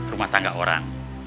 rumah tangga orang